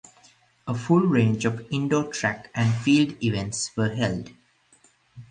A full range of indoor track and field events were held.